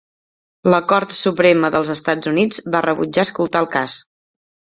La Cort Suprema dels Estats Units va rebutjar escoltar el cas.